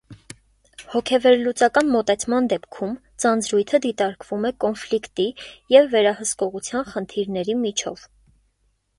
Հոգեվերլուծական մոտեցման դեպքում ձանձրույթը դիտարկվում է կոնֆլիկտի և վերահսկողության խնդրիների միջով։